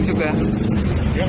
kalau negatif dia acak